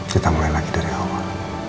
kita mulai lagi dari awal